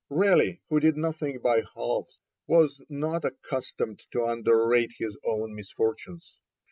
Raleigh, who did nothing by halves, was not accustomed to underrate his own misfortunes.